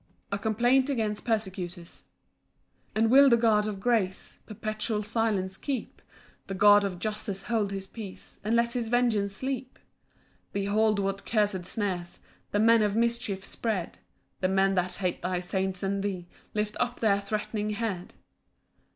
A complaint against persecutors. 1 And will the God of grace Perpetual silence keep? The God of justice hold his peace, And let his vengeance sleep? 2 Behold what cursed snares The men of mischief spread; The men that hate thy saints and thee Lift up their threatening head.